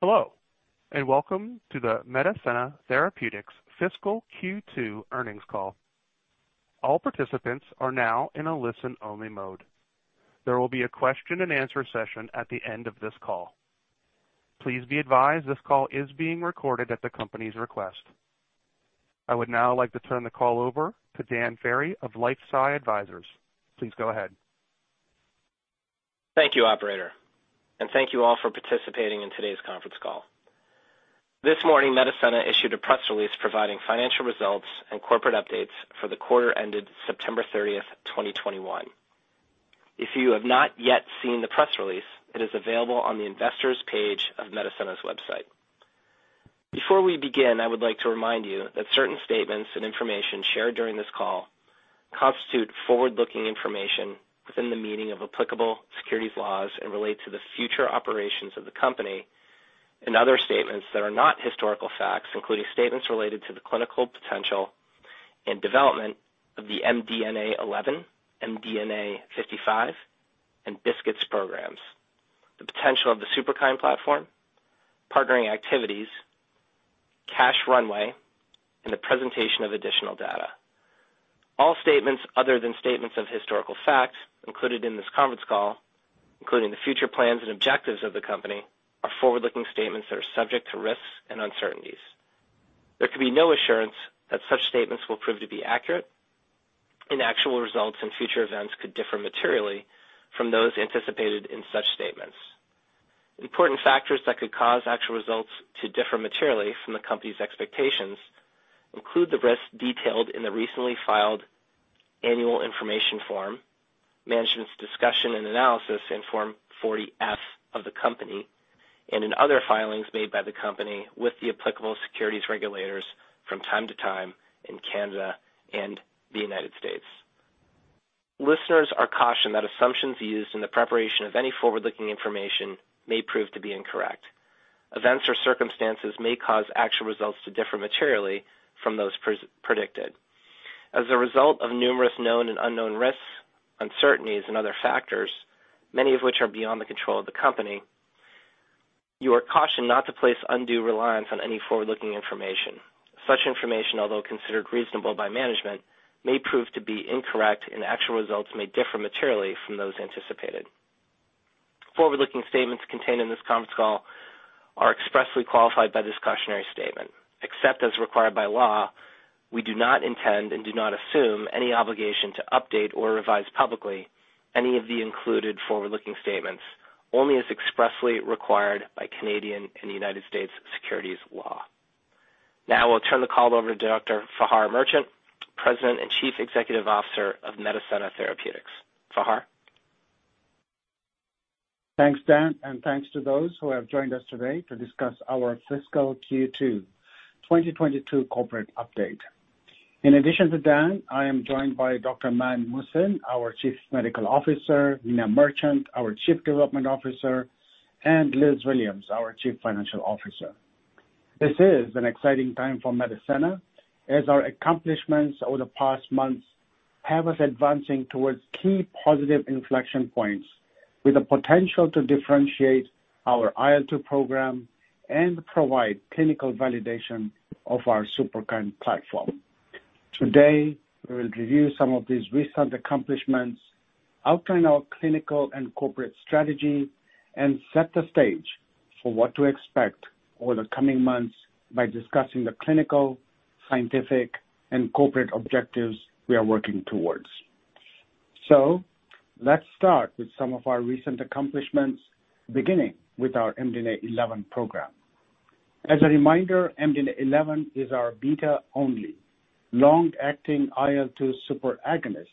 Hello, and welcome to the Medicenna Therapeutics Fiscal Q2 earnings call. All participants are now in a listen-only mode. There will be a question and answer session at the end of this call. Please be advised this call is being recorded at the company's request. I would now like to turn the call over to Dan Ferry of LifeSci Advisors. Please go ahead. Thank you, operator, and thank you all for participating in today's conference call. This morning, Medicenna issued a press release providing financial results and corporate updates for the quarter ended September 30, 2021. If you have not yet seen the press release, it is available on the investors page of Medicenna's website. Before we begin, I would like to remind you that certain statements and information shared during this call constitute forward-looking information within the meaning of applicable securities laws and relate to the future operations of the company, and other statements that are not historical facts, including statements related to the clinical potential and development of the MDNA11, MDNA55 and BiSKITs programs, the potential of the Superkine platform, partnering activities, cash runway, and the presentation of additional data. All statements other than statements of historical facts included in this conference call, including the future plans and objectives of the company, are forward-looking statements that are subject to risks and uncertainties. There can be no assurance that such statements will prove to be accurate, and actual results and future events could differ materially from those anticipated in such statements. Important factors that could cause actual results to differ materially from the company's expectations include the risks detailed in the recently filed annual information form, Management's discussion and analysis in Form 40-F of the company, and in other filings made by the company with the applicable securities regulators from time to time in Canada and the United States. Listeners are cautioned that assumptions used in the preparation of any forward-looking information may prove to be incorrect. Events or circumstances may cause actual results to differ materially from those predicted as a result of numerous known and unknown risks, uncertainties and other factors, many of which are beyond the control of the company. You are cautioned not to place undue reliance on any forward-looking information. Such information, although considered reasonable by management, may prove to be incorrect and actual results may differ materially from those anticipated. Forward-looking statements contained in this conference call are expressly qualified by this cautionary statement. Except as required by law, we do not intend and do not assume any obligation to update or revise publicly any of the included forward-looking statements, only as expressly required by Canadian and United States securities law. Now we'll turn the call over to Dr. Fahar Merchant, President and Chief Executive Officer of Medicenna Therapeutics. Fahar. Thanks, Dan, and thanks to those who have joined us today to discuss our fiscal Q2 2022 corporate update. In addition to Dan, I am joined by Dr. Mann Muhsin, our Chief Medical Officer, Nina Merchant, our Chief Development Officer, and Liz Williams, our Chief Financial Officer. This is an exciting time for Medicenna as our accomplishments over the past months have us advancing towards key positive inflection points with the potential to differentiate our IL-2 program and provide clinical validation of our Superkine platform. Today, we will review some of these recent accomplishments, outline our clinical and corporate strategy, and set the stage for what to expect over the coming months by discussing the clinical, scientific and corporate objectives we are working towards. Let's start with some of our recent accomplishments, beginning with our MDNA11 program. As a reminder, MDNA11 is our beta-only long-acting IL-2 Superkine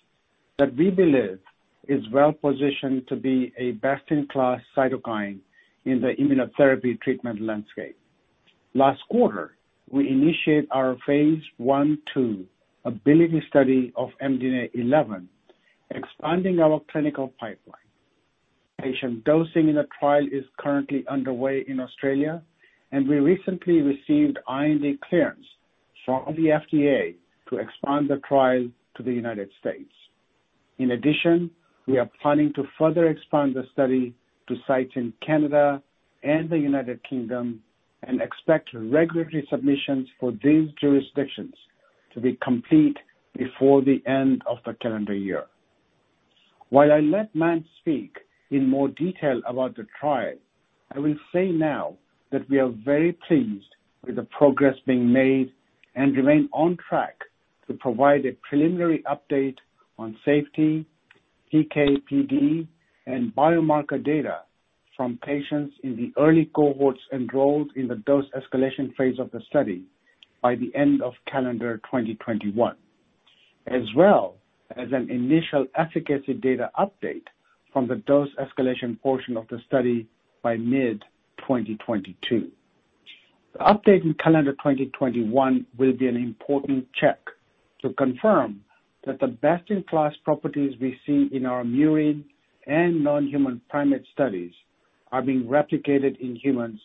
that we believe is well positioned to be a best-in-class cytokine in the immunotherapy treatment landscape. Last quarter, we initiated our phase I/II ABILITY study of MDNA11, expanding our clinical pipeline. Patient dosing in the trial is currently underway in Australia, and we recently received IND clearance from the FDA to expand the trial to the United States. In addition, we are planning to further expand the study to sites in Canada and the United Kingdom and expect regulatory submissions for these jurisdictions to be complete before the end of the calendar year. While I let Mann speak in more detail about the trial, I will say now that we are very pleased with the progress being made and remain on track to provide a preliminary update on safety, PK/PD, and biomarker data from patients in the early cohorts enrolled in the dose escalation phase of the study by the end of calendar 2021, as well as an initial efficacy data update from the dose escalation portion of the study by mid 2022. The update in calendar 2021 will be an important check to confirm that the best-in-class properties we see in our murine and non-human primate studies are being replicated in humans,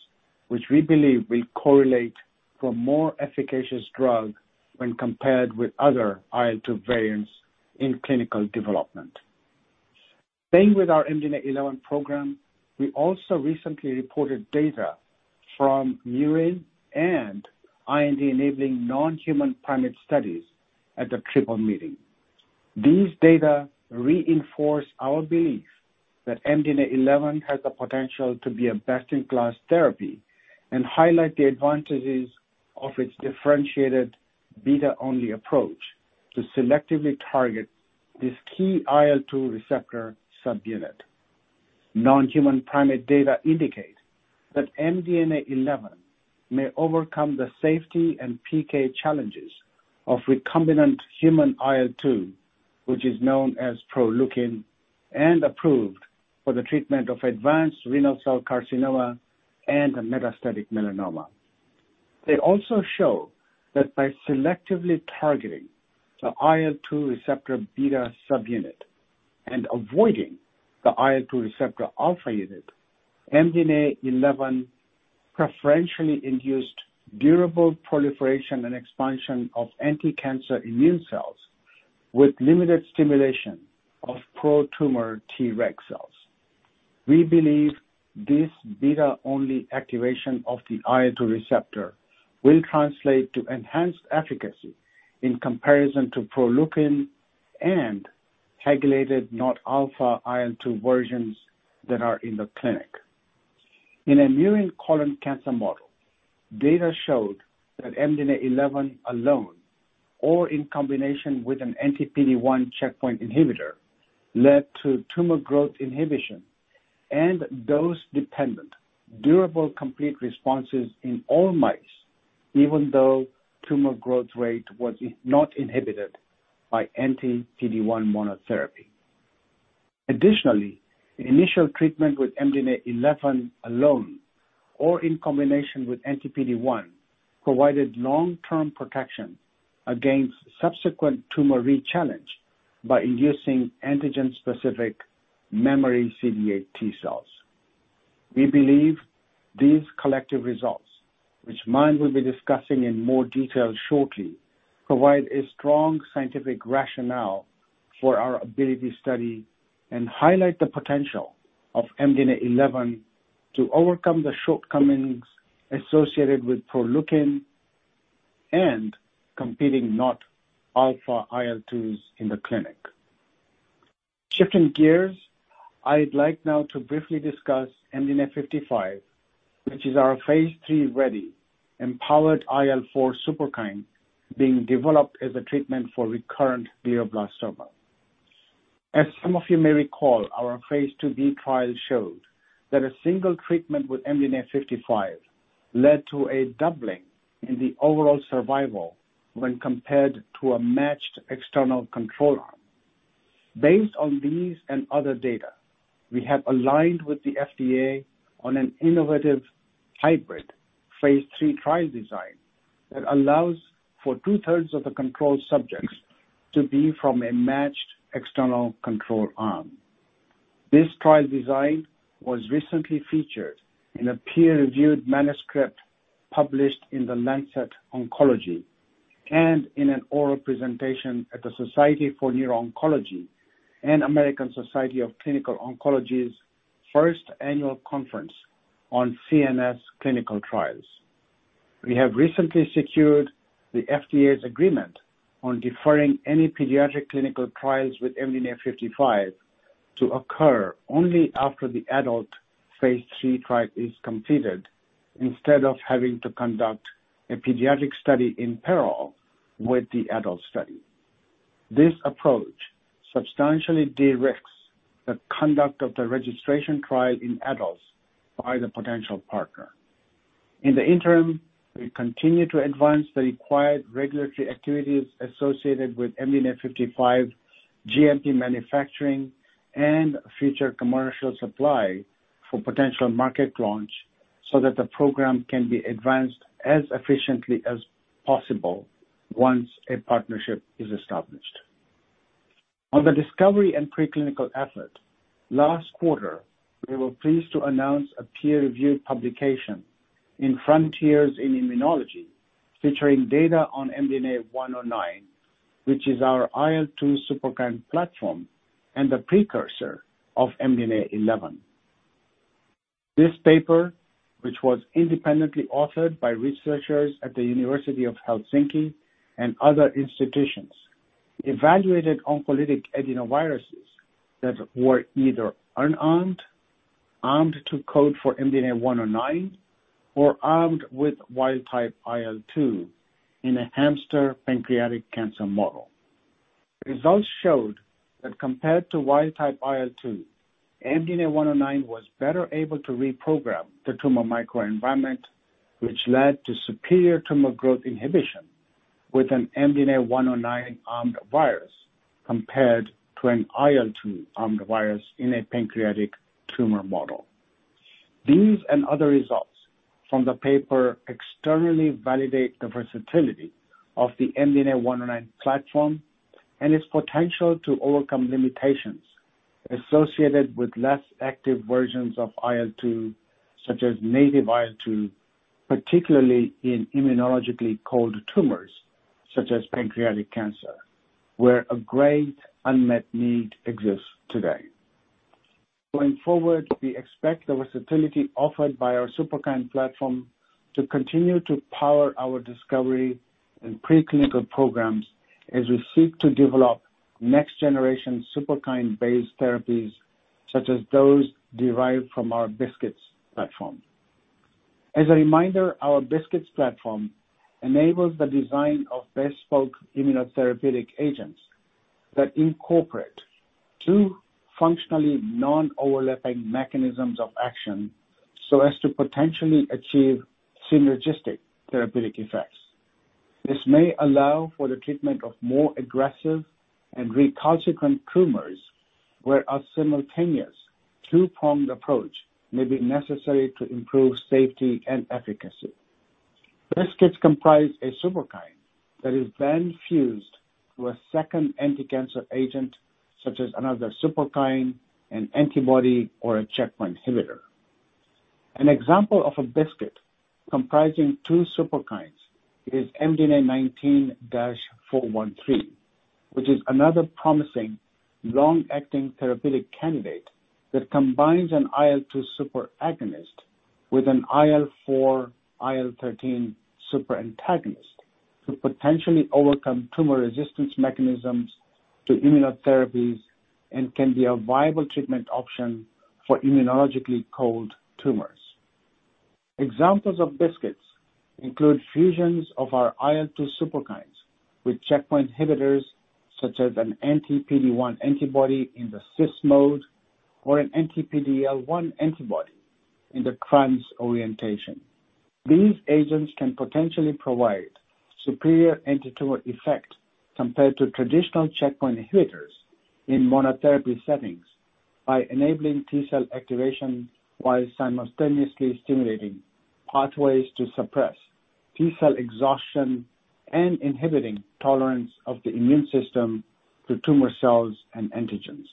which we believe will correlate to a more efficacious drug when compared with other IL-2 variants in clinical development. Staying with our MDNA11 program, we also recently reported data from murine and IND-enabling non-human primate studies at the Triple Meeting. These data reinforce our belief that MDNA11 has the potential to be a best-in-class therapy and highlight the advantages of its differentiated beta-only approach to selectively target this key IL-2 receptor subunit. Non-human primate data indicate that MDNA11 may overcome the safety and PK challenges of recombinant human IL-2, which is known as Proleukin, and approved for the treatment of advanced renal cell carcinoma and metastatic melanoma. They also show that by selectively targeting the IL-2 receptor beta subunit and avoiding the IL-2 receptor alpha unit, MDNA11 preferentially induced durable proliferation and expansion of anticancer immune cells with limited stimulation of pro-tumor Treg cells. We believe this beta-only activation of the IL-2 receptor will translate to enhanced efficacy in comparison to Proleukin and regulated not-alpha IL-2 versions that are in the clinic. In a murine colon cancer model, data showed that MDNA11 alone or in combination with an anti-PD-1 checkpoint inhibitor led to tumor growth inhibition and dose-dependent durable complete responses in all mice, even though tumor growth rate was not inhibited by anti-PD-1 monotherapy. Additionally, initial treatment with MDNA11 alone or in combination with anti-PD-1 provided long-term protection against subsequent tumor rechallenge by inducing antigen-specific memory CD8 T cells. We believe these collective results, which Mann will be discussing in more detail shortly, provide a strong scientific rationale for our ABILITY study and highlight the potential of MDNA11 to overcome the shortcomings associated with Proleukin and competing not-alpha IL-2s in the clinic. I'd like now to briefly discuss MDNA55, which is our phase III-ready empowered IL-4 Superkine being developed as a treatment for recurrent glioblastoma. As some of you may recall, our phase IIb trial showed that a single treatment with MDNA55 led to a doubling in the overall survival when compared to a matched external control arm. Based on these and other data, we have aligned with the FDA on an innovative hybrid phase III trial design that allows for two-thirds of the control subjects to be from a matched external control arm. This trial design was recently featured in a peer-reviewed manuscript published in The Lancet Oncology and in an oral presentation at the Society for Neuro-Oncology and American Society of Clinical Oncology's first annual conference on CNS clinical trials. We have recently secured the FDA's agreement on deferring any pediatric clinical trials with MDNA55 to occur only after the adult phase III trial is completed, instead of having to conduct a pediatric study in parallel with the adult study. This approach substantially de-risks the conduct of the registration trial in adults by the potential partner. In the interim, we continue to advance the required regulatory activities associated with MDNA55 GMP manufacturing and future commercial supply for potential market launch so that the program can be advanced as efficiently as possible once a partnership is established. On the discovery and preclinical effort, last quarter, we were pleased to announce a peer-reviewed publication in Frontiers in Immunology featuring data on MDNA109, which is our IL-2 Superkine platform and the precursor of MDNA11. This paper, which was independently authored by researchers at the University of Helsinki and other institutions, evaluated oncolytic adenoviruses that were either unarmed, armed to code for MDNA109, or armed with wild-type IL-2 in a hamster pancreatic cancer model. Results showed that compared to wild-type IL-2, MDNA109 was better able to reprogram the tumor microenvironment, which led to superior tumor growth inhibition with an MDNA109 armed virus compared to an IL-2 armed virus in a pancreatic tumor model. These and other results from the paper externally validate the versatility of the MDNA109 platform and its potential to overcome limitations associated with less active versions of IL-2, such as native IL-2, particularly in immunologically cold tumors, such as pancreatic cancer, where a great unmet need exists today. Going forward, we expect the versatility offered by our Superkine platform to continue to power our discovery and preclinical programs as we seek to develop next generation Superkine-based therapies such as those derived from our BiSKITs platform. As a reminder, our BiSKITs platform enables the design of bespoke immunotherapeutic agents that incorporate two functionally non-overlapping mechanisms of action so as to potentially achieve synergistic therapeutic effects. This may allow for the treatment of more aggressive and recalcitrant tumors, where a simultaneous two-pronged approach may be necessary to improve safety and efficacy. BiSKITs comprise a Superkine that is then fused to a second anticancer agent, such as another Superkine, an antibody, or a checkpoint inhibitor. An example of a BiSKIT comprising two Superkines is MDNA19-413, which is another promising long-acting therapeutic candidate that combines an IL-2 superagonist with an IL-4 IL-13 superantagonist to potentially overcome tumor resistance mechanisms to immunotherapies and can be a viable treatment option for immunologically cold tumors. Examples of BiSKITs include fusions of our IL-2 Superkines with checkpoint inhibitors such as an anti-PD-1 antibody in the cis mode, or an anti-PD-L1 antibody in the trans orientation. These agents can potentially provide superior anti-tumor effect compared to traditional checkpoint inhibitors in monotherapy settings by enabling T-cell activation while simultaneously stimulating pathways to suppress T-cell exhaustion and inhibiting tolerance of the immune system to tumor cells and antigens.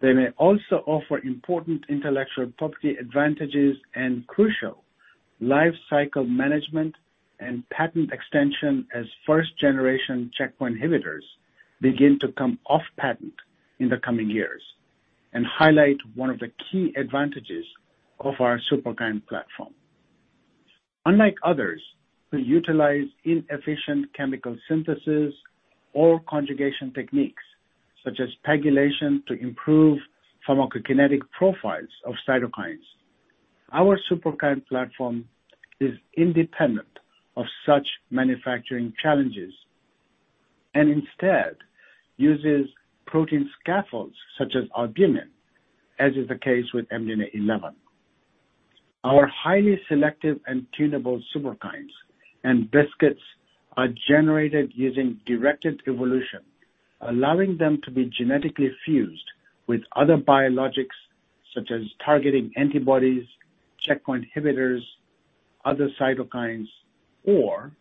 They may also offer important intellectual property advantages and crucial lifecycle management and patent extension as first generation checkpoint inhibitors begin to come off patent in the coming years, and highlight one of the key advantages of our Superkine platform. Unlike others who utilize inefficient chemical synthesis or conjugation techniques such as PEGylation to improve pharmacokinetic profiles of cytokines, our Superkine platform is independent of such manufacturing challenges and instead uses protein scaffolds such as albumin, as is the case with MDNA11. Our highly selective and tunable superkines and BiSKITs are generated using directed evolution, allowing them to be genetically fused with other biologics such as targeting antibodies, checkpoint inhibitors, other cytokines, or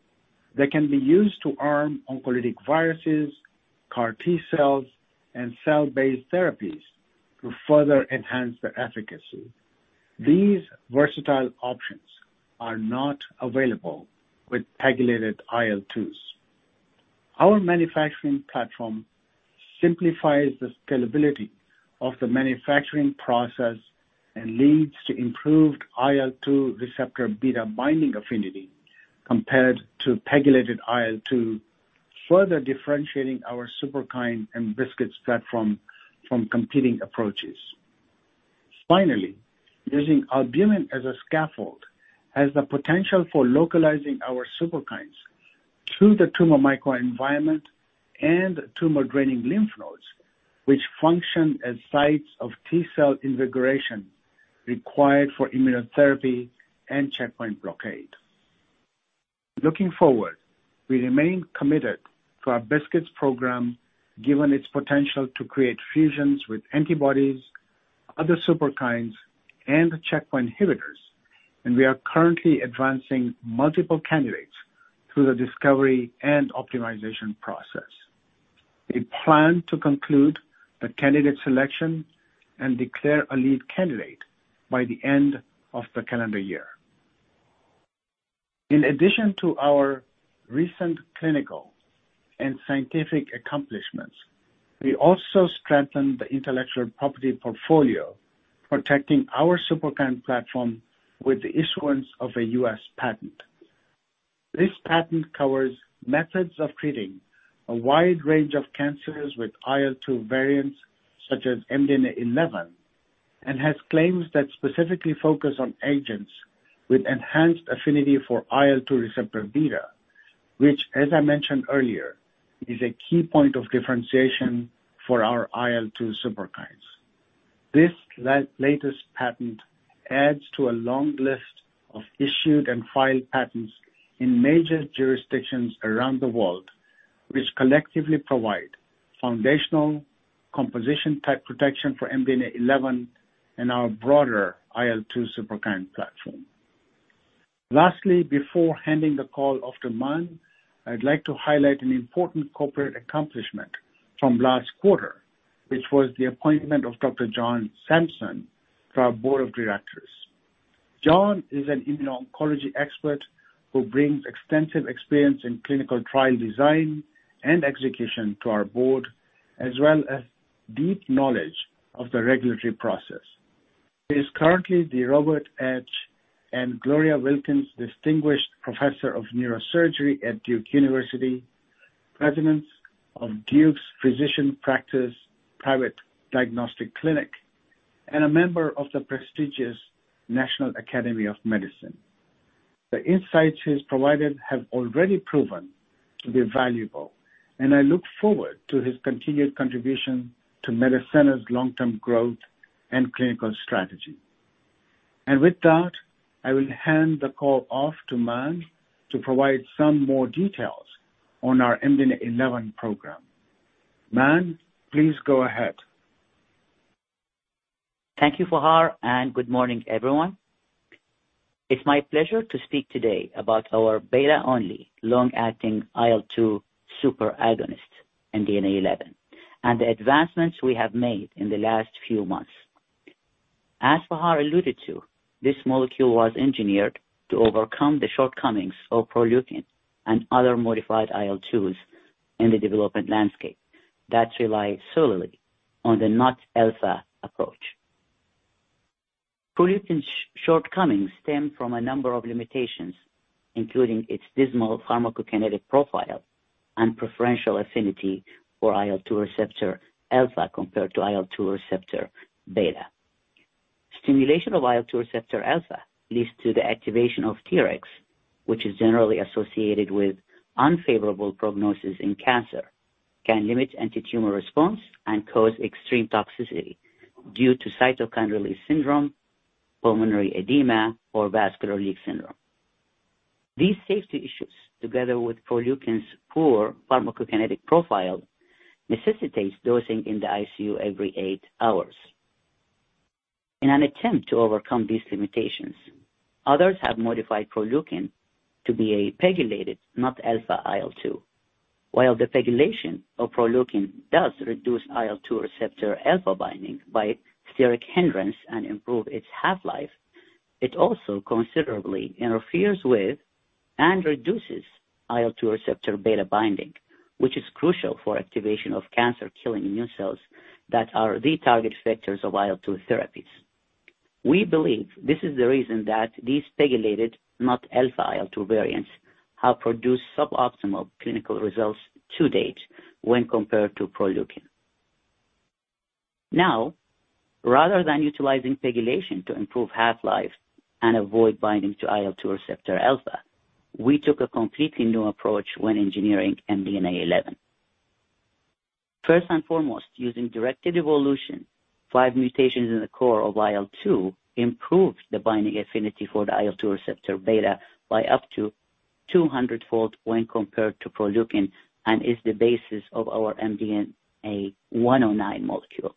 they can be used to arm oncolytic viruses, CAR T-cells, and cell-based therapies to further enhance their efficacy. These versatile options are not available with pegylated IL-2s. Our manufacturing platform simplifies the scalability of the manufacturing process and leads to improved IL-2 receptor beta binding affinity compared to PEGylated IL-2, further differentiating our Superkine and BiSKITs platform from competing approaches. Finally, using albumin as a scaffold has the potential for localizing our Superkines to the tumor microenvironment and tumor-draining lymph nodes, which function as sites of T-cell invigoration required for immunotherapy and checkpoint blockade. Looking forward, we remain committed to our BiSKITs program, given its potential to create fusions with antibodies, other superkines, and checkpoint inhibitors. We are currently advancing multiple candidates through the discovery and optimization process. We plan to conclude the candidate selection and declare a lead candidate by the end of the calendar year. In addition to our recent clinical and scientific accomplishments, we also strengthened the intellectual property portfolio, protecting our Superkine platform with the issuance of a U.S. patent. This patent covers methods of treating a wide range of cancers with IL-2 variants such as MDNA11, and has claims that specifically focus on agents with enhanced affinity for IL-2 receptor beta, which, as I mentioned earlier, is a key point of differentiation for our IL-2 Superkines. This latest patent adds to a long list of issued and filed patents in major jurisdictions around the world, which collectively provide foundational composition type protection for MDNA11 and our broader IL-2 Superkine platform. Lastly, before handing the call off to Mann, I'd like to highlight an important corporate accomplishment from last quarter, which was the appointment of Dr. John Sampson to our board of directors. John is an immuno-oncology expert who brings extensive experience in clinical trial design and execution to our board, as well as deep knowledge of the regulatory process. He is currently the Robert H. and Gloria Wilkins Distinguished Professor of Neurosurgery at Duke University, President of Duke's Private Diagnostic Clinic, and a member of the prestigious National Academy of Medicine. The insights he's provided have already proven to be valuable, and I look forward to his continued contribution to Medicenna's long-term growth and clinical strategy. With that, I will hand the call off to Mann to provide some more details on our MDNA11 program. Mann, please go ahead. Thank you, Fahar, and good morning, everyone. It's my pleasure to speak today about our beta-only long-acting IL-2 superagonist, MDNA11, and the advancements we have made in the last few months. As Fahar alluded to, this molecule was engineered to overcome the shortcomings of Proleukin and other modified IL-2s in the development landscape that rely solely on the not-alpha approach. Proleukin shortcomings stem from a number of limitations, including its dismal pharmacokinetic profile and preferential affinity for IL-2 receptor alpha compared to IL-2 receptor beta. Stimulation of IL-2 receptor alpha leads to the activation of Tregs, which is generally associated with unfavorable prognosis in cancer, can limit antitumor response, and cause extreme toxicity due to cytokine release syndrome, pulmonary edema, or vascular leak syndrome. These safety issues, together with Proleukin's poor pharmacokinetic profile, necessitates dosing in the ICU every eight hours. In an attempt to overcome these limitations, others have modified Proleukin to be a PEGylated, not-alpha IL-2. While the PEGylation of Proleukin does reduce IL-2 receptor alpha binding by steric hindrance and improve its half-life, it also considerably interferes with and reduces IL-2 receptor beta binding, which is crucial for activation of cancer-killing immune cells that are the target vectors of IL-2 therapies. We believe this is the reason that these PEGylated, not-alpha IL-2 variants have produced suboptimal clinical results to date when compared to Proleukin. Now, rather than utilizing PEGylation to improve half-life and avoid binding to IL-2 receptor alpha, we took a completely new approach when engineering MDNA11. First and foremost, using directed evolution, five mutations in the core of IL-2 improved the binding affinity for the IL-2 receptor beta by up to 200-fold when compared to Proleukin, and is the basis of our MDNA109 molecule.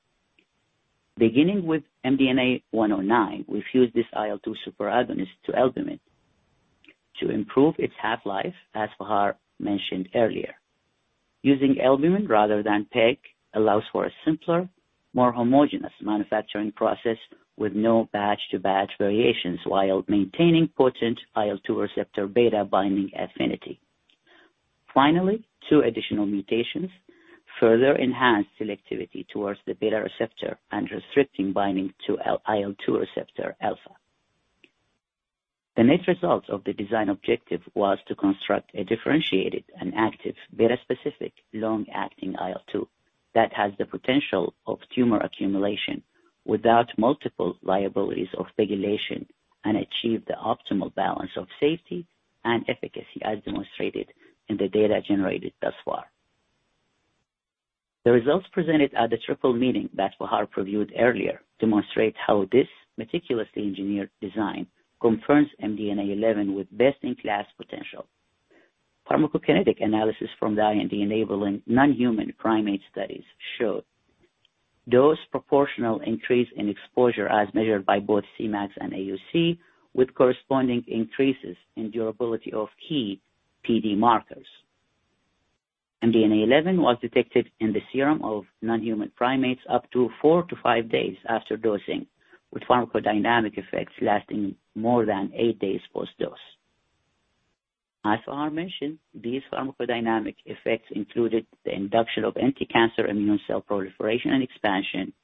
Beginning with MDNA109, we fused this IL-2 superagonist to albumin to improve its half-life, as Fahar mentioned earlier. Using albumin rather than PEG allows for a simpler, more homogeneous manufacturing process with no batch-to-batch variations while maintaining potent IL-2 receptor beta binding affinity. Finally, two additional mutations further enhance selectivity towards the beta receptor and restricting binding to IL-2 receptor alpha. The net results of the design objective was to construct a differentiated and active beta-specific long-acting IL-2 that has the potential of tumor accumulation without multiple liabilities of PEGylation and achieve the optimal balance of safety and efficacy, as demonstrated in the data generated thus far. The results presented at the Triple Meeting that Fahar previewed earlier demonstrate how this meticulously engineered design confirms MDNA11 with best-in-class potential. Pharmacokinetic analysis from the IND-enabling non-human primate studies showed dose proportional increase in exposure as measured by both Cmax and AUC, with corresponding increases in durability of key PD markers. MDNA11 was detected in the serum of non-human primates up to four-five days after dosing, with pharmacodynamic effects lasting more than eight days post-dose. As Fahar mentioned, these pharmacodynamic effects included the induction of anticancer immune cell proliferation and expansion,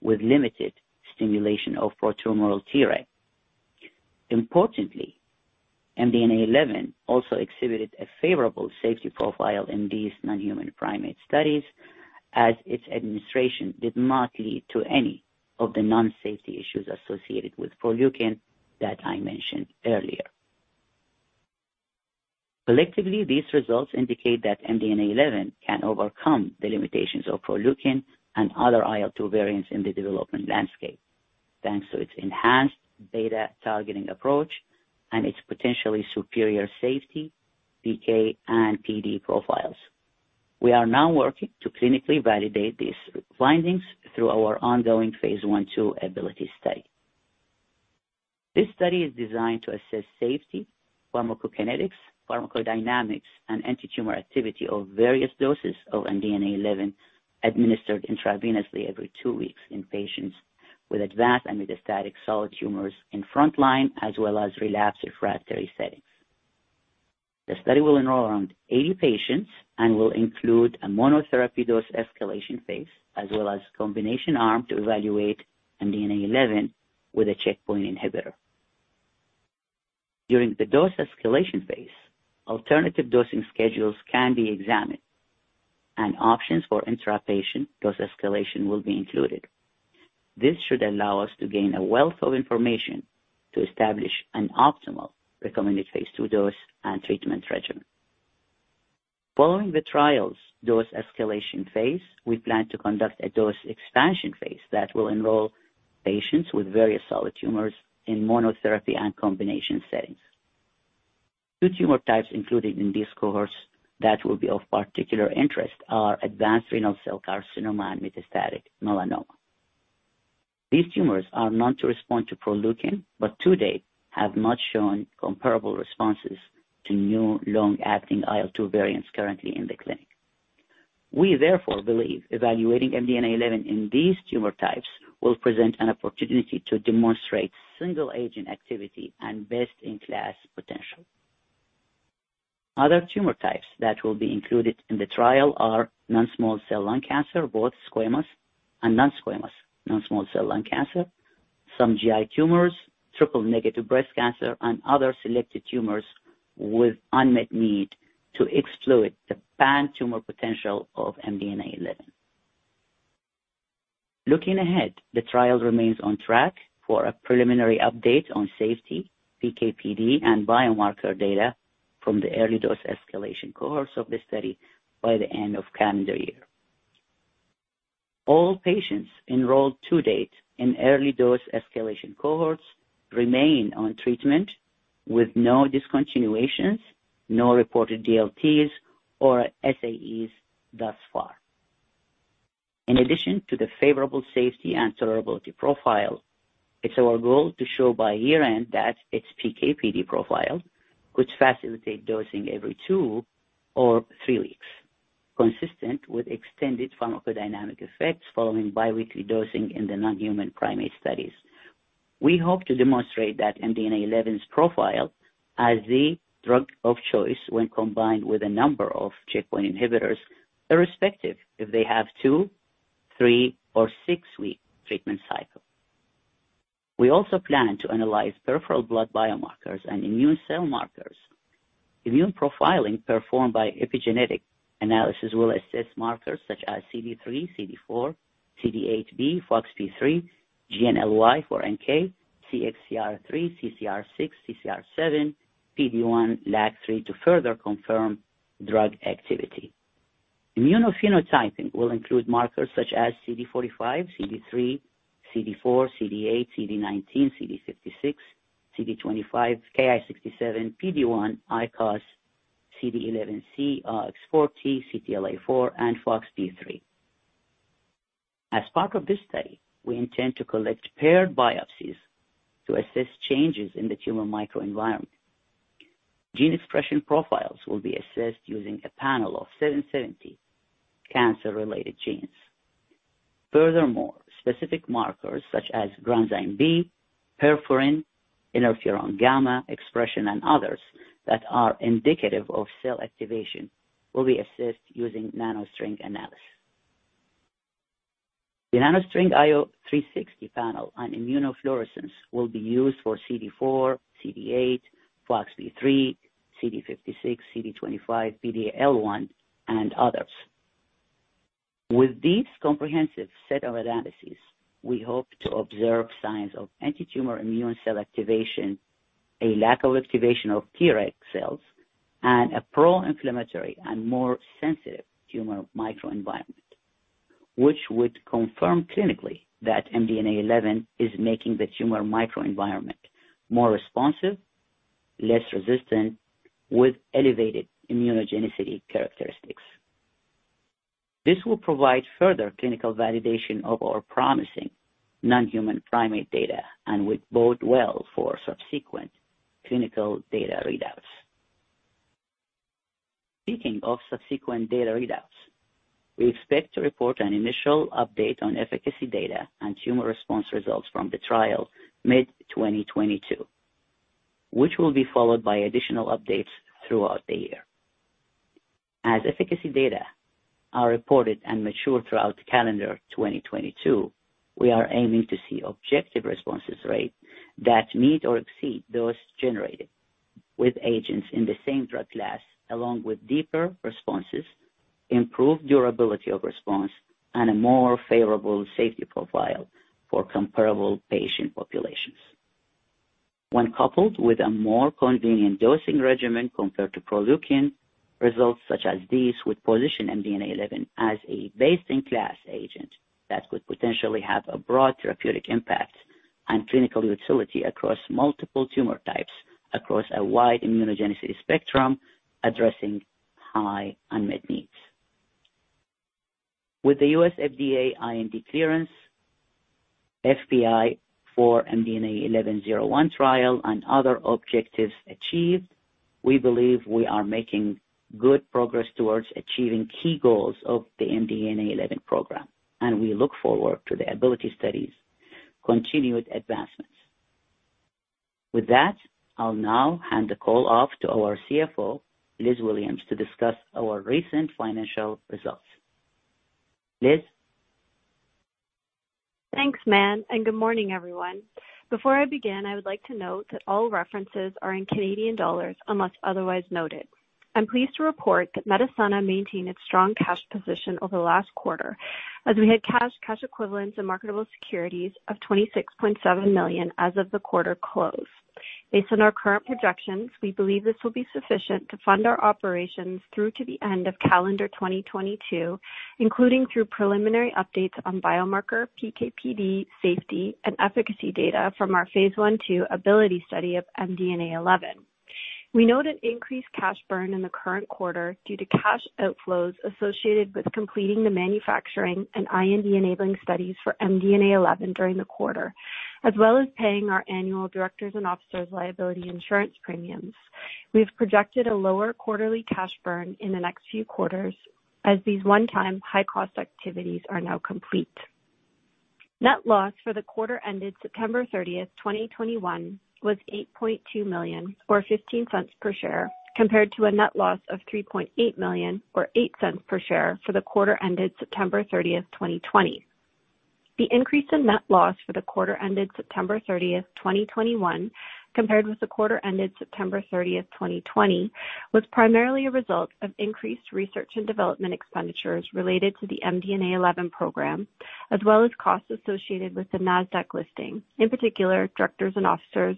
with limited stimulation of pro-tumoral Tregs. Importantly, MDNA11 also exhibited a favorable safety profile in these non-human primate studies, as its administration did not lead to any of the safety issues associated with Proleukin that I mentioned earlier. Collectively, these results indicate that MDNA11 can overcome the limitations of Proleukin and other IL-2 variants in the development landscape, thanks to its enhanced beta targeting approach and its potentially superior safety, PK, and PD profiles. We are now working to clinically validate these findings through our ongoing phase I/II ABILITY study. This study is designed to assess safety, pharmacokinetics, pharmacodynamics, and antitumor activity of various doses of MDNA11 administered intravenously every two weeks in patients with advanced and metastatic solid tumors in frontline as well as relapsed refractory settings. The study will enroll around 80 patients and will include a monotherapy dose escalation phase as well as combination arm to evaluate MDNA11 with a checkpoint inhibitor. During the dose escalation phase, alternative dosing schedules can be examined, and options for intra-patient dose escalation will be included. This should allow us to gain a wealth of information to establish an optimal recommended phase II dose and treatment regimen. Following the trial's dose escalation phase, we plan to conduct a dose expansion phase that will enroll patients with various solid tumors in monotherapy and combination settings. Two tumor types included in this cohort that will be of particular interest are advanced renal cell carcinoma and metastatic melanoma. These tumors are known to respond to Proleukin, but to date have not shown comparable responses to new long-acting IL-2 variants currently in the clinic. We therefore believe evaluating MDNA11 in these tumor types will present an opportunity to demonstrate single agent activity and best-in-class potential. Other tumor types that will be included in the trial are non-small cell lung cancer, both squamous and non-squamous non-small cell lung cancer, some GI tumors, triple-negative breast cancer, and other selected tumors with unmet need to exploit the pan-tumor potential of MDNA11. Looking ahead, the trial remains on track for a preliminary update on safety, PK/PD, and biomarker data from the early dose escalation cohorts of the study by the end of calendar year. All patients enrolled to date in early dose escalation cohorts remain on treatment with no discontinuations, no reported DLTs or SAEs thus far. In addition to the favorable safety and tolerability profile, it's our goal to show by year-end that its PK/PD profile could facilitate dosing every two or three weeks, consistent with extended pharmacodynamic effects following bi-weekly dosing in the non-human primate studies. We hope to demonstrate that MDNA11's profile as the drug of choice when combined with a number of checkpoint inhibitors, irrespective if they have two, three, or six-week treatment cycle. We also plan to analyze peripheral blood biomarkers and immune cell markers. Immune profiling performed by epigenetic analysis will assess markers such as CD3, CD4, CD8b, Foxp3, GNLY for NK, CXCR3, CCR6, CCR7, PD-1, LAG-3, to further confirm drug activity. Immunophenotyping will include markers such as CD45, CD3, CD4, CD8, CD19, CD56, CD25, Ki-67, PD-1, ICOS, CD11c, OX40, CTLA-4, and Foxp3. As part of this study, we intend to collect paired biopsies to assess changes in the tumor microenvironment. Gene expression profiles will be assessed using a panel of 770 cancer-related genes. Furthermore, specific markers such as granzyme B, perforin, interferon gamma expression, and others that are indicative of cell activation will be assessed using NanoString analysis. The NanoString IO 360 panel on immunofluorescence will be used for CD4, CD8, Foxp3, CD56, CD25, PD-L1, and others. With this comprehensive set of analyses, we hope to observe signs of antitumor immune cell activation, a lack of activation of Treg cells, and a pro-inflammatory and more sensitive tumor microenvironment, which would confirm clinically that MDNA11 is making the tumor microenvironment more responsive, less resistant, with elevated immunogenicity characteristics. This will provide further clinical validation of our promising non-human primate data and would bode well for subsequent clinical data readouts. Speaking of subsequent data readouts, we expect to report an initial update on efficacy data and tumor response results from the trial mid-2022, which will be followed by additional updates throughout the year. As efficacy data are reported and mature throughout calendar 2022, we are aiming to see objective response rate that meet or exceed those generated with agents in the same drug class, along with deeper responses, improved durability of response, and a more favorable safety profile for comparable patient populations. When coupled with a more convenient dosing regimen compared to Proleukin, results such as these would position MDNA11 as a best-in-class agent that could potentially have a broad therapeutic impact and clinical utility across multiple tumor types, across a wide immunogenicity spectrum, addressing high unmet needs. With the U.S. FDA IND clearance for the MDNA11 trial and other objectives achieved, we believe we are making good progress towards achieving key goals of the MDNA11 program, and we look forward to the ABILITY study's continued advancements. With that, I'll now hand the call off to our CFO, Liz Williams, to discuss our recent financial results. Liz? Thanks, Mann, and good morning, everyone. Before I begin, I would like to note that all references are in Canadian dollars unless otherwise noted. I'm pleased to report that Medicenna maintained its strong cash position over the last quarter as we had cash equivalents, and marketable securities of 26.7 million as of the quarter close. Based on our current projections, we believe this will be sufficient to fund our operations through to the end of calendar 2022, including through preliminary updates on biomarker PK/PD safety and efficacy data from our phase I/II ABILITY study of MDNA11. We note an increased cash burn in the current quarter due to cash outflows associated with completing the manufacturing and IND-enabling studies for MDNA11 during the quarter, as well as paying our annual directors' and officers' liability insurance premiums. We've projected a lower quarterly cash burn in the next few quarters as these one-time high-cost activities are now complete. Net loss for the quarter ended September 30th, 2021 was 8.2 million or 0.15 per share, compared to a net loss of 3.8 million or 0.08 per share for the quarter ended September 30th, 2020. The increase in net loss for the quarter ended September 30th, 2021 compared with the quarter ended September 30th, 2020, was primarily a result of increased research and development expenditures related to the MDNA11 program, as well as costs associated with the Nasdaq listing, in particular, directors' and officers'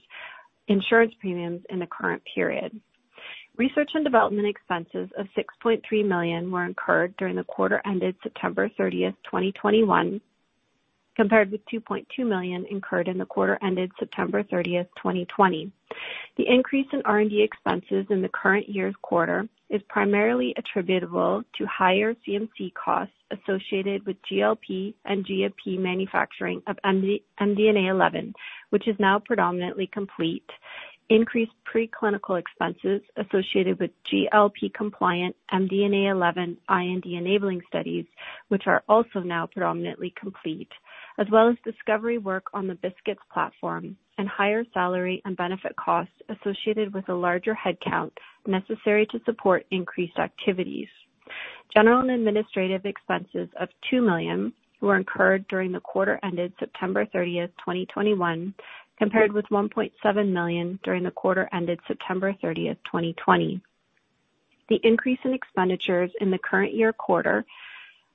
insurance premiums in the current period. Research and development expenses of 6.3 million were incurred during the quarter ended September 30th, 2021, compared with 2.2 million incurred in the quarter ended September 30th, 2020. The increase in R&D expenses in the current year's quarter is primarily attributable to higher CMC costs associated with GLP and GMP manufacturing of MDNA11, which is now predominantly complete, increased pre-clinical expenses associated with GLP-compliant MDNA11 IND enabling studies, which are also now predominantly complete, as well as discovery work on the BiSKITs platform and higher salary and benefit costs associated with a larger headcount necessary to support increased activities. General and administrative expenses of 2 million were incurred during the quarter ended September 30th, 2021, compared with 1.7 million during the quarter ended September 30th, 2020. The increase in expenditures in the current year quarter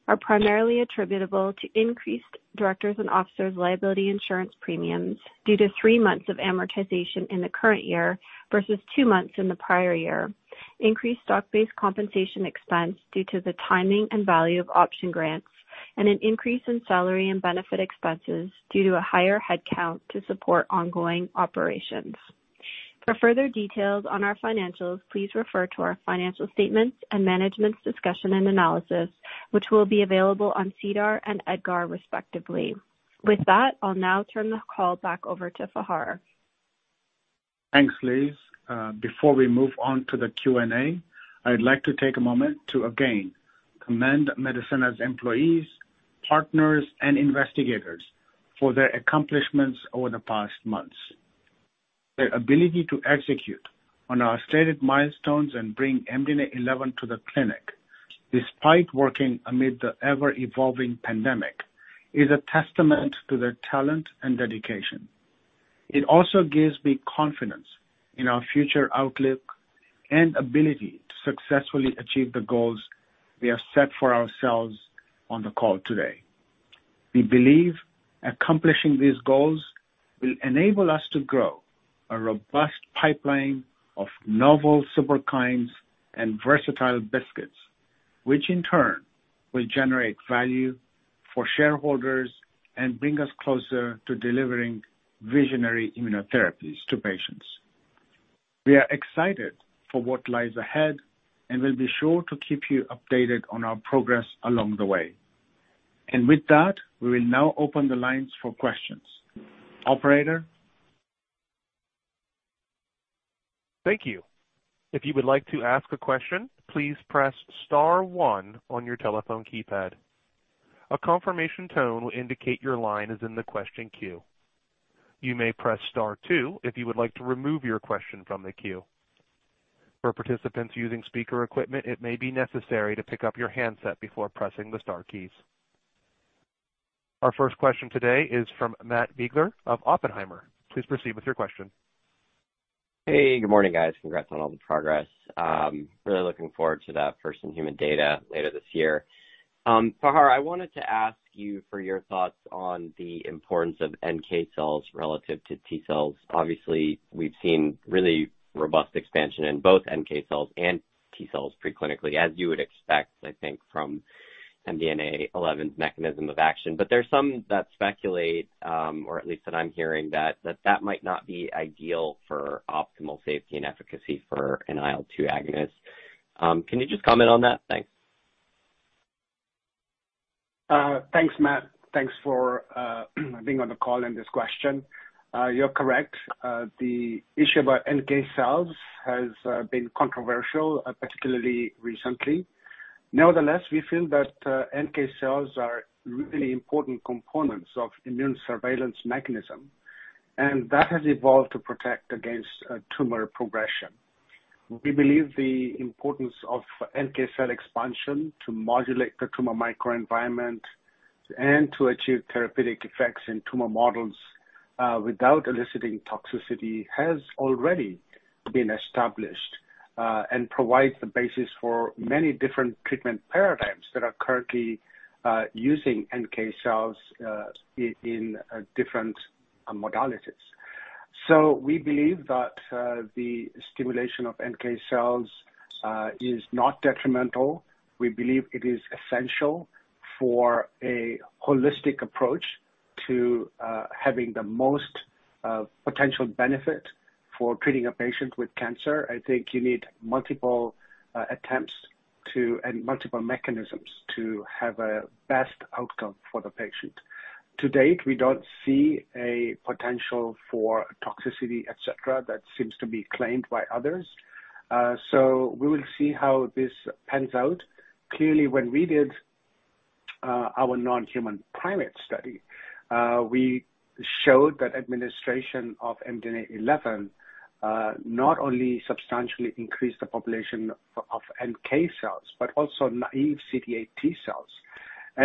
are primarily attributable to increased directors' and officers' liability insurance premiums due to three months of amortization in the current year versus two months in the prior year, increased stock-based compensation expense due to the timing and value of option grants, and an increase in salary and benefit expenses due to a higher headcount to support ongoing operations. For further details on our financials, please refer to our financial statements and management's discussion and analysis, which will be available on SEDAR and EDGAR, respectively. With that, I'll now turn the call back over to Fahar. Thanks, Liz. Before we move on to the Q&A, I'd like to take a moment to again commend Medicenna's employees, partners, and investigators for their accomplishments over the past months. Their ability to execute on our stated milestones and bring MDNA11 to the clinic despite working amid the ever-evolving pandemic is a testament to their talent and dedication. It also gives me confidence in our future outlook and ability to successfully achieve the goals we have set for ourselves on the call today. We believe accomplishing these goals will enable us to grow a robust pipeline of novel Superkines and versatile BiSKITs, which in turn will generate value for shareholders and bring us closer to delivering visionary immunotherapies to patients. We are excited for what lies ahead and will be sure to keep you updated on our progress along the way. With that, we will now open the lines for questions. Operator? Thank you. If you would like to ask a question, please press star one on your telephone keypad. A confirmation tone will indicate your line is in the question queue. You may press star two if you would like to remove your question from the queue. For participants using speaker equipment, it may be necessary to pick up your handset before pressing the star keys. Our first question today is from Matt Biegler of Oppenheimer. Please proceed with your question. Hey, good morning, guys. Congrats on all the progress. Really looking forward to that first human data later this year. Fahar, I wanted to ask you for your thoughts on the importance of NK cells relative to T cells. Obviously, we've seen really robust expansion in both NK cells and T cells pre-clinically, as you would expect, I think, from MDNA11's mechanism of action. There's some that speculate, or at least that I'm hearing that that might not be ideal for optimal safety and efficacy for an IL-2 agonist. Can you just comment on that? Thanks. Thanks, Matt. Thanks for being on the call and this question. You're correct. The issue about NK cells has been controversial, particularly recently. Nevertheless, we feel that NK cells are really important components of immune surveillance mechanism, and that has evolved to protect against tumor progression. We believe the importance of NK cell expansion to modulate the tumor microenvironment and to achieve therapeutic effects in tumor models without eliciting toxicity has already been established and provides the basis for many different treatment paradigms that are currently using NK cells in different modalities. We believe that the stimulation of NK cells is not detrimental. We believe it is essential for a holistic approach to having the most potential benefit for treating a patient with cancer. I think you need multiple attempts to and multiple mechanisms to have a best outcome for the patient. To date, we don't see a potential for toxicity, et cetera, that seems to be claimed by others. We will see how this pans out. Clearly, when we did our non-human primate study, we showed that administration of MDNA11 not only substantially increased the population of NK cells but also naive CD8 T cells.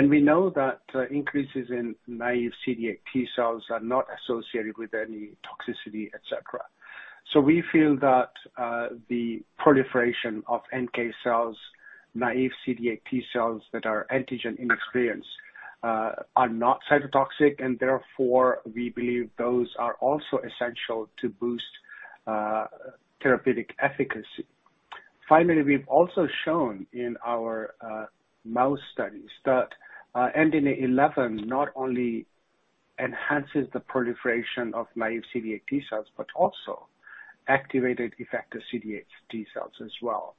We know that increases in naive CD8 T cells are not associated with any toxicity, et cetera. We feel that the proliferation of NK cells, naive CD8 T cells that are antigen inexperienced, are not cytotoxic, and therefore, we believe those are also essential to boost therapeutic efficacy. Finally, we've also shown in our mouse studies that MDNA11 not only enhances the proliferation of naive CD8 T cells but also activated effector CD8 T cells as well.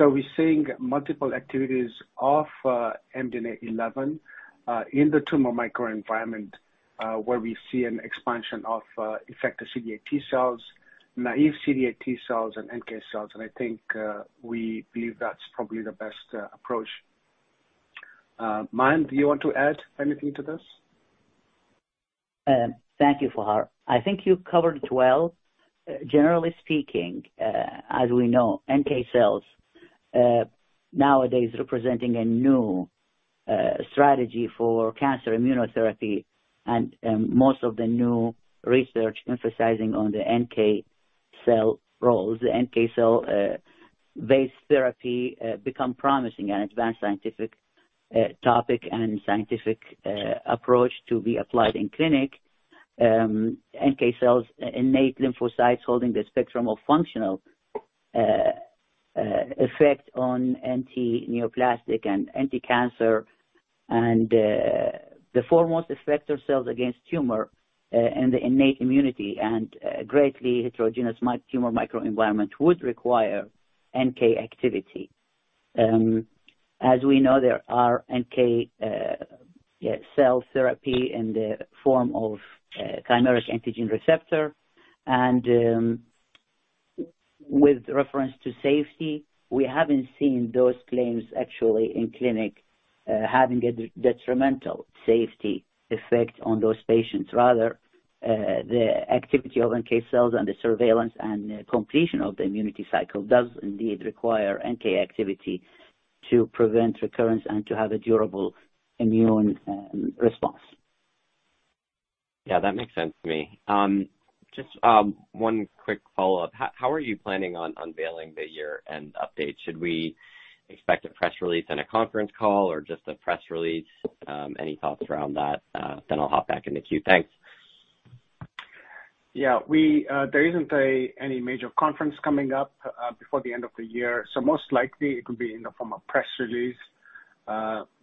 We're seeing multiple activities of MDNA11 in the tumor microenvironment, where we see an expansion of effector CD8 T cells, naive CD8 T cells, and NK cells. I think we believe that's probably the best approach. Mann, do you want to add anything to this? Thank you, Fahar. I think you covered it well. Generally speaking, as we know, NK cells nowadays representing a new strategy for cancer immunotherapy and, most of the new research emphasizing on the NK cell roles, NK cell based therapy become promising and advanced scientific topic and scientific approach to be applied in clinic. NK cells, innate lymphocytes holding the spectrum of functional effect on antineoplastic and anticancer and, the foremost effector cells against tumor and the innate immunity and, greatly heterogeneous tumor microenvironment would require NK activity. As we know, there are NK cell therapy in the form of chimeric antigen receptor. With reference to safety, we haven't seen those claims actually in clinic having a detrimental safety effect on those patients. Rather, the activity of NK cells and the surveillance and completion of the immunity cycle does indeed require NK activity to prevent recurrence and to have a durable immune response. Yeah, that makes sense to me. Just one quick follow-up. How are you planning on unveiling the year-end update? Should we expect a press release and a conference call or just a press release? Any thoughts around that? Then I'll hop back in the queue. Thanks. Yeah. There isn't any major conference coming up before the end of the year, so most likely it will be in the form of press release.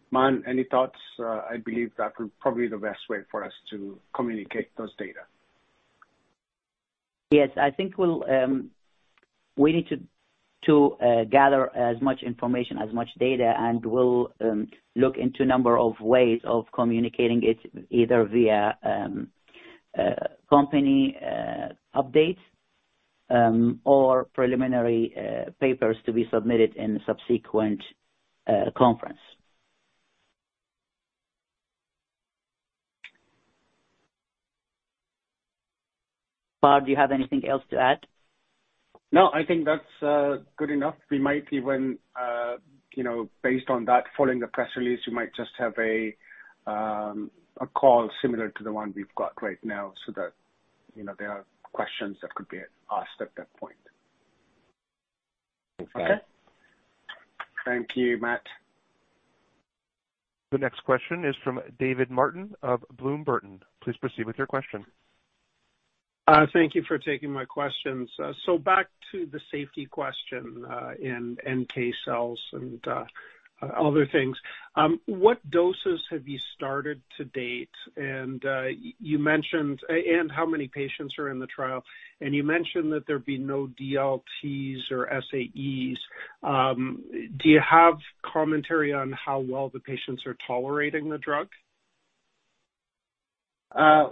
Mann, any thoughts? I believe that will probably be the best way for us to communicate those data. Yes. I think we'll gather as much information, as much data, and we'll look into a number of ways of communicating it, either via company updates or preliminary papers to be submitted in subsequent conference. Fahar, do you have anything else to add? No, I think that's good enough. We might even, you know, based on that, following the press release, we might just have a call similar to the one we've got right now so that, you know, there are questions that could be asked at that point. Thanks, guys. Okay. Thank you, Matt. The next question is from David Martin of Bloom Burton. Please proceed with your question. Thank you for taking my questions. Back to the safety question, in NK cells and other things. What doses have you started to date? You mentioned and how many patients are in the trial? You mentioned that there'd be no DLTs or SAEs. Do you have commentary on how well the patients are tolerating the drug?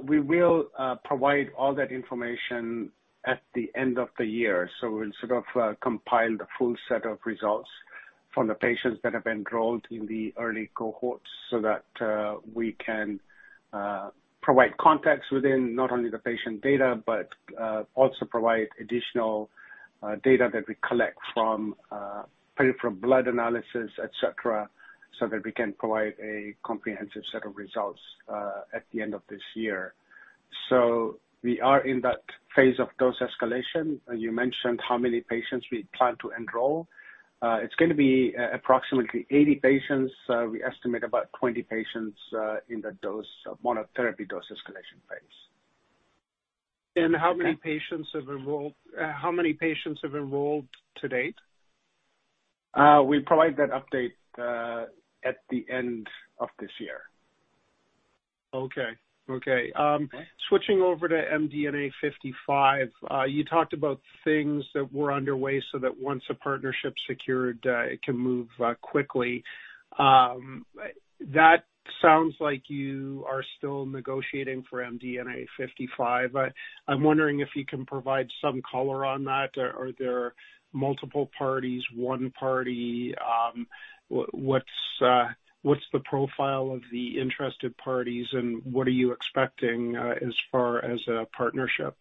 We will provide all that information at the end of the year. We'll sort of compile the full set of results from the patients that have enrolled in the early cohorts so that we can provide context within not only the patient data, but also provide additional data that we collect from peripheral blood analysis, et cetera, so that we can provide a comprehensive set of results at the end of this year. We are in that phase of dose escalation. You mentioned how many patients we plan to enroll. It's gonna be approximately 80 patients. We estimate about 20 patients in the dose monotherapy dose escalation phase. How many patients have enrolled to date? We'll provide that update at the end of this year. Switching over to MDNA55. You talked about things that were underway so that once a partnership's secured, it can move quickly. That sounds like you are still negotiating for MDNA55. I'm wondering if you can provide some color on that. Are there multiple parties, one party? What's the profile of the interested parties and what are you expecting as far as a partnership?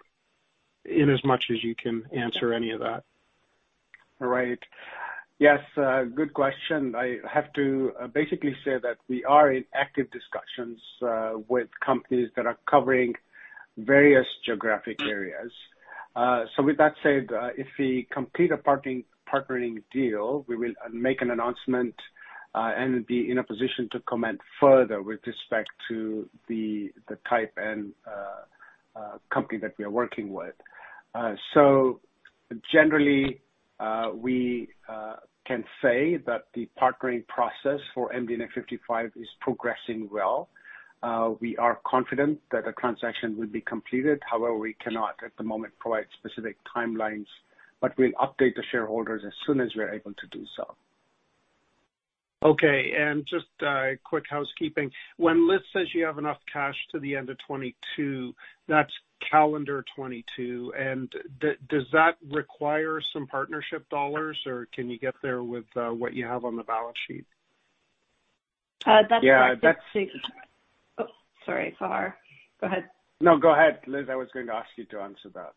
In as much as you can answer any of that. Right. Yes, good question. I have to basically say that we are in active discussions with companies that are covering various geographic areas. With that said, if we complete a partnering deal, we will make an announcement and be in a position to comment further with respect to the type and company that we are working with. Generally, we can say that the partnering process for MDNA55 is progressing well. We are confident that a transaction will be completed, however, we cannot at the moment provide specific timelines, but we'll update the shareholders as soon as we're able to do so. Okay. Just a quick housekeeping. When Liz says you have enough cash to the end of 2022, that's calendar 2022. Does that require some partnership dollars, or can you get there with what you have on the balance sheet? Yeah. Oh, sorry, Fahar. Go ahead. No, go ahead, Liz. I was going to ask you to answer that.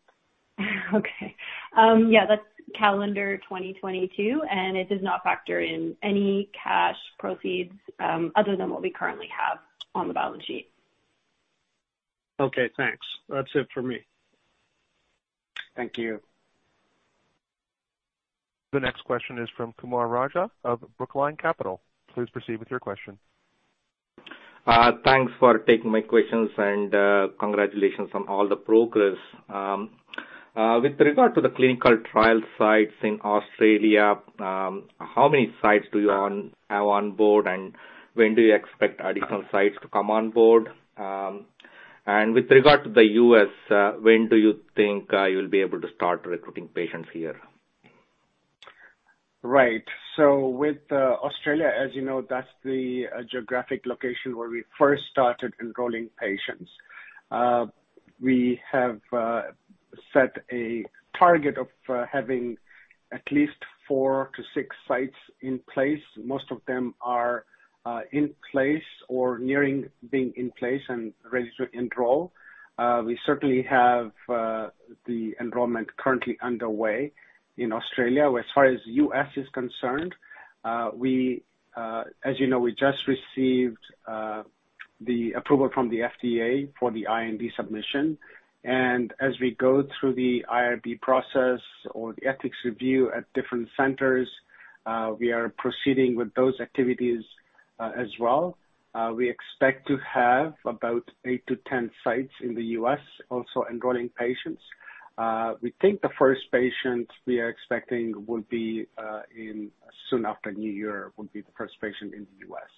Yeah, that's calendar 2022, and it does not factor in any cash proceeds, other than what we currently have on the balance sheet. Okay, thanks. That's it for me. Thank you. The next question is from Kumar Raja of Brookline Capital. Please proceed with your question. Thanks for taking my questions, and congratulations on all the progress. With regard to the clinical trial sites in Australia, how many sites do you have on board, and when do you expect additional sites to come on board? With regard to the U.S., when do you think you'll be able to start recruiting patients here? Right. With Australia, as you know, that's the geographic location where we first started enrolling patients. We have set a target of having at least four-six sites in place. Most of them are in place or nearing being in place and ready to enroll. We certainly have the enrollment currently underway in Australia. As far as U.S. is concerned, as you know, we just received the approval from the FDA for the IND submission. As we go through the IRB process or the ethics review at different centers, we are proceeding with those activities as well. We expect to have about eight-10 sites in the U.S. also enrolling patients. We think the first patient we are expecting will be in soon after new year and will be the first patient in the U.S.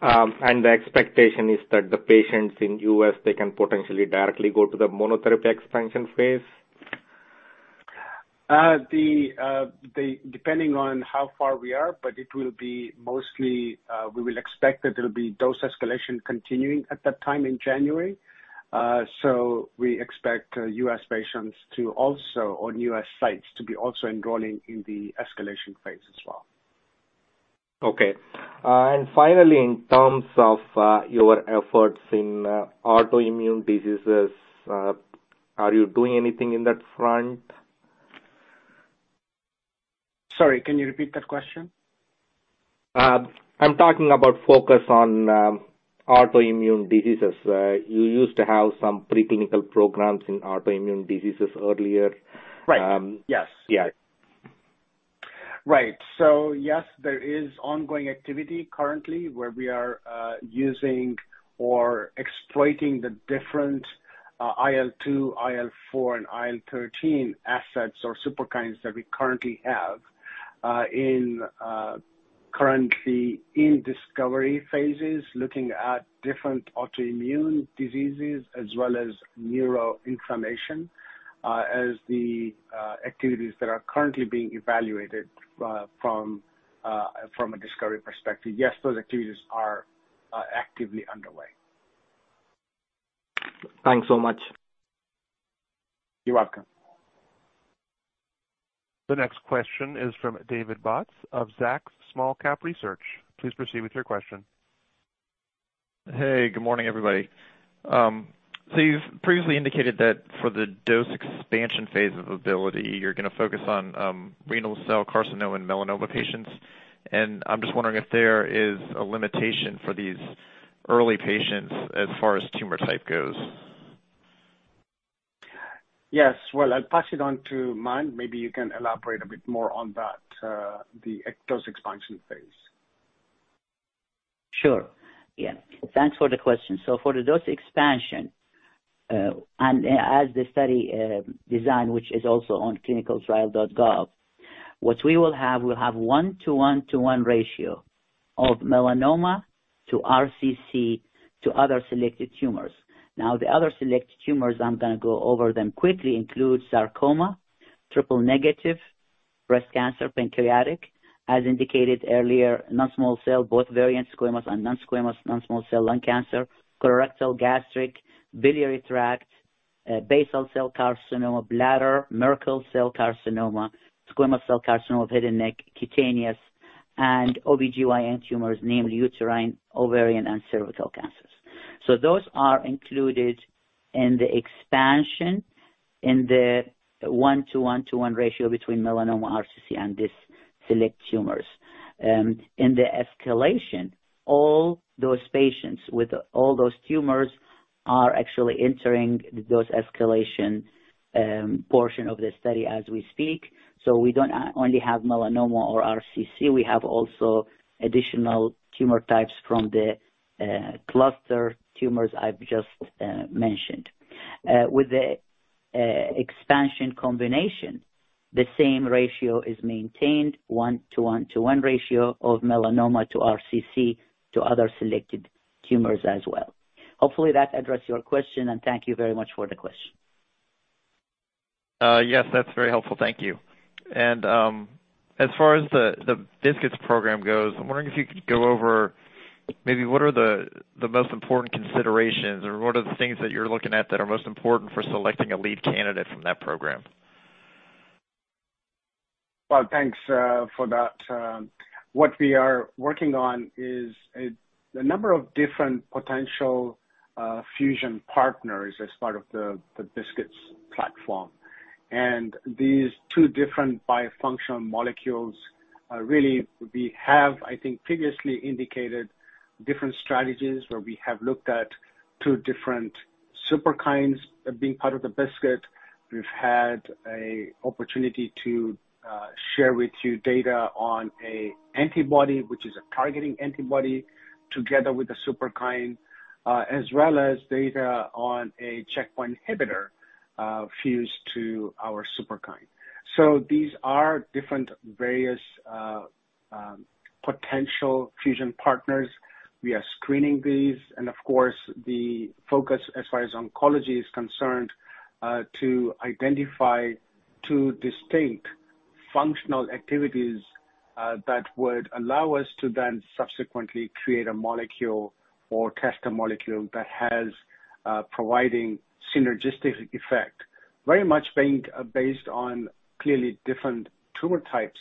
The expectation is that the patients in U.S., they can potentially directly go to the monotherapy expansion phase? Depending on how far we are, but it will be mostly, we will expect that it'll be dose escalation continuing at that time in January. We expect U.S. patients to also, or U.S. sites to be also enrolling in the escalation phase as well. Okay. Finally, in terms of your efforts in autoimmune diseases, are you doing anything in that front? Sorry, can you repeat that question? I'm talking about focus on autoimmune diseases. You used to have some preclinical programs in autoimmune diseases earlier. Right. Yes. Yeah. Right. Yes, there is ongoing activity currently where we are using or exploiting the different IL-2, IL-4, and IL-13 assets or Superkines that we currently have in discovery phases, looking at different autoimmune diseases as well as neuroinflammation as the activities that are currently being evaluated from a discovery perspective. Yes, those activities are actively underway. Thanks so much. You're welcome. The next question is from David Bautz of Zacks Small Cap Research. Please proceed with your question. Hey, good morning, everybody. You've previously indicated that for the dose expansion phase of ABILITY, you're gonna focus on renal cell carcinoma in melanoma patients. I'm just wondering if there is a limitation for these early patients as far as tumor type goes. Yes. Well, I'll pass it on to Mann. Maybe you can elaborate a bit more on that, the dose expansion phase. Sure. Yeah. Thanks for the question. For the dose expansion and as the study design, which is also on clinicaltrials.gov, what we will have, we'll have 1:1:1 ratio of melanoma to RCC to other selected tumors. Now, the other selected tumors, I'm gonna go over them quickly, includes sarcoma, triple-negative breast cancer, pancreatic, as indicated earlier, non-small cell, both variant squamous and non-squamous, non-small cell lung cancer, colorectal, gastric, biliary tract, basal cell carcinoma, bladder, Merkel cell carcinoma, squamous cell carcinoma of head and neck, cutaneous, and OBGYN tumors, namely uterine, ovarian, and cervical cancers. Those are included in the expansion in the 1:1:1 ratio between melanoma, RCC, and these select tumors. In the escalation, all those patients with all those tumors are actually entering those escalation portion of the study as we speak. We don't only have melanoma or RCC, we have also additional tumor types from the cluster tumors I've just mentioned. With the expansion combination, the same ratio is maintained 1:1:1 ratio of melanoma to RCC to other selected tumors as well. Hopefully that address your question, and thank you very much for the question. Yes, that's very helpful. Thank you. As far as the BiSKITs program goes, I'm wondering if you could go over maybe what are the most important considerations or what are the things that you're looking at that are most important for selecting a lead candidate from that program? Well, thanks for that. What we are working on is a number of different potential fusion partners as part of the BiSKITs platform. These two different bifunctional molecules are really. We have, I think, previously indicated different strategies where we have looked at two different Superkines being part of the BiSKIT. We've had an opportunity to share with you data on an antibody, which is a targeting antibody together with the Superkine, as well as data on a checkpoint inhibitor fused to our Superkine. These are different various potential fusion partners. We are screening these, and of course, the focus as far as oncology is concerned, to identify two distinct functional activities, that would allow us to then subsequently create a molecule or test a molecule that has, providing synergistic effect, very much being, based on clearly different tumor types.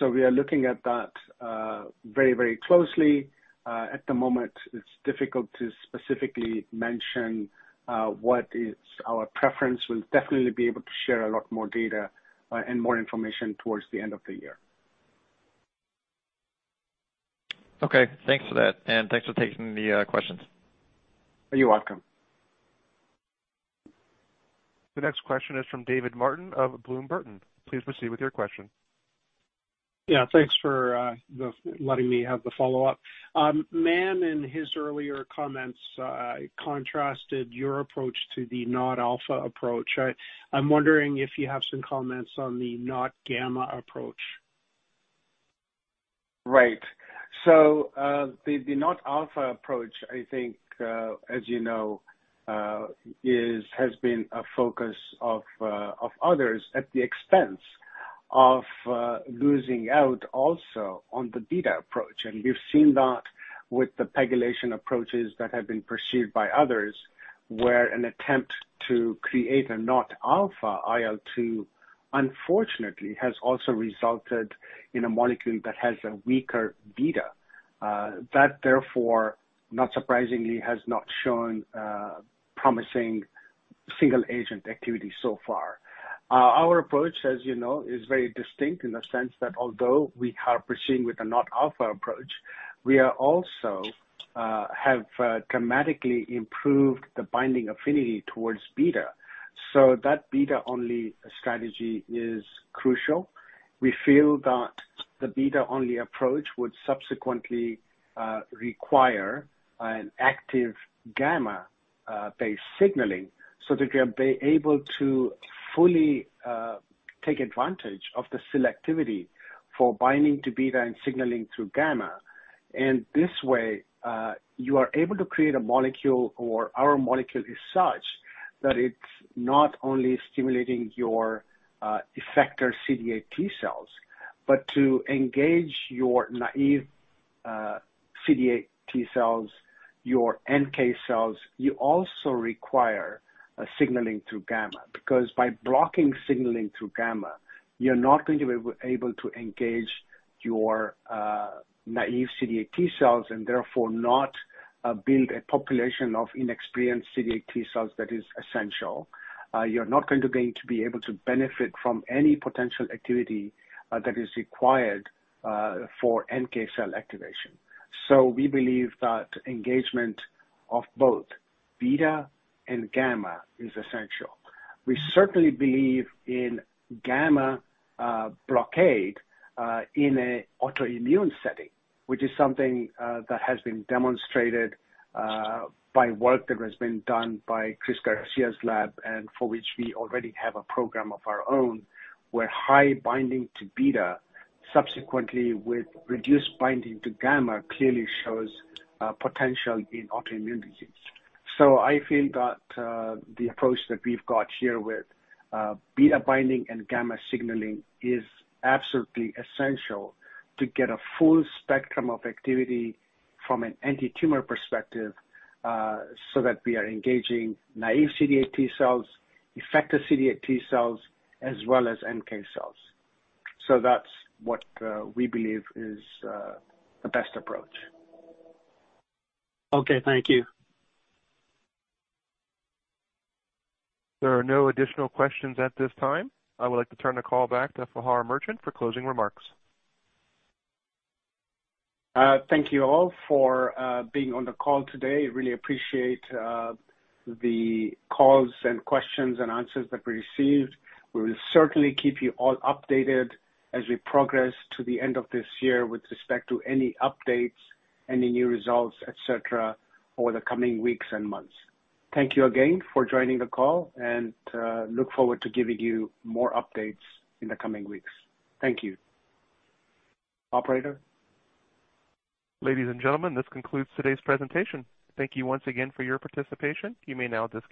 We are looking at that, very, very closely. At the moment, it's difficult to specifically mention, what is our preference. We'll definitely be able to share a lot more data, and more information towards the end of the year. Okay, thanks for that, and thanks for taking the questions. You're welcome. The next question is from David Martin of Bloom Burton. Please proceed with your question. Yeah, thanks for letting me have the follow-up. Mann, in his earlier comments, contrasted your approach to the not-alpha approach. I'm wondering if you have some comments on the not-gamma approach. Right. The not-alpha approach, I think, as you know, has been a focus of others at the expense of losing out also on the beta approach. We've seen that with the PEGylation approaches that have been pursued by others, where an attempt to create a not-alpha IL-2, unfortunately, has also resulted in a molecule that has a weaker beta that therefore, not surprisingly, has not shown promising single agent activity so far. Our approach, as you know, is very distinct in the sense that although we are proceeding with the not-alpha approach, we have dramatically improved the binding affinity towards beta. That beta-only strategy is crucial. We feel that the beta-only approach would subsequently require an active gamma based signaling so that we are able to fully take advantage of the selectivity for binding to beta and signaling through gamma. This way, you are able to create a molecule, or our molecule is such that it's not only stimulating your effector CD8 T cells, but to engage your naive CD8 T cells, your NK cells, you also require a signaling through gamma because by blocking signaling through gamma, you're not going to be able to engage your naive CD8 T cells and therefore not build a population of inexperienced CD8 T cells that is essential. You're not going to be able to benefit from any potential activity that is required for NK cell activation. We believe that engagement of both beta and gamma is essential. We certainly believe in gamma blockade in an autoimmune setting, which is something that has been demonstrated by work that has been done by Chris Garcia's lab and for which we already have a program of our own, where high binding to beta subsequently with reduced binding to gamma clearly shows potential in autoimmune disease. I feel that the approach that we've got here with beta binding and gamma signaling is absolutely essential to get a full spectrum of activity from an antitumor perspective, so that we are engaging naive CD8 T cells, effective CD8 T cells, as well as NK cells. That's what we believe is the best approach. Okay, thank you. There are no additional questions at this time. I would like to turn the call back to Dr. Fahar Merchant for closing remarks. Thank you all for being on the call today. Really appreciate the calls and questions and answers that we received. We will certainly keep you all updated as we progress to the end of this year with respect to any updates, any new results, etc., over the coming weeks and months. Thank you again for joining the call and look forward to giving you more updates in the coming weeks. Thank you. Operator? Ladies and gentlemen, this concludes today's presentation. Thank you once again for your participation. You may now disconnect.